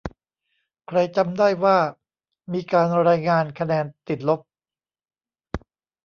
ใครจำได้ว่า มีการรายงานคะแนน "ติดลบ"